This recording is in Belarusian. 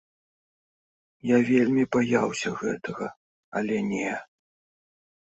Я вельмі баяўся гэтага, але не.